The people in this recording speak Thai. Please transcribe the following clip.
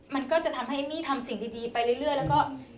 มันก็จะทำให้เอมมี่ทำสิ่งดีไปเรื่อยแล้วก็